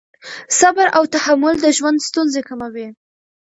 صبر او تحمل د ژوند ستونزې کموي.